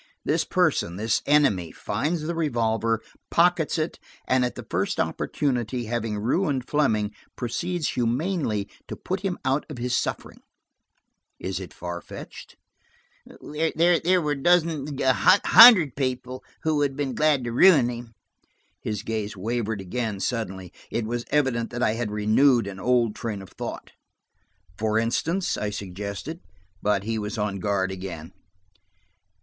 "This person–this enemy finds the revolver; pockets it and at the first opportunity, having ruined Fleming, proceeds humanely to put him out of his suffering. Is it far fetched?" "There were a dozen–a hundred–people who would have been glad to ruin him!" His gaze wavered again suddenly. It was evident that I had renewed an old train of thought." "For instance?" I suggested, but he was on guard again.